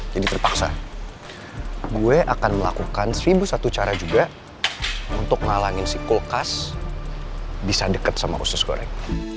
jadi terpaksa gue akan melakukan seribu satu cara juga untuk ngalangin si kulkas bisa deket sama usus goreng